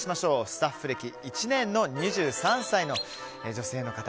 スタッフ歴１年の２３歳の女性の方。